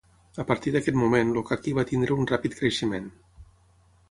A partir d'aquest moment el caqui va tenir un ràpid creixement.